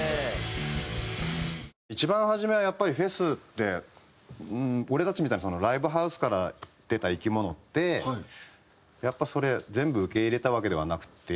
一番初めはやっぱりフェスって俺たちみたいなライブハウスから出た生き物ってやっぱそれ全部受け入れたわけではなくて。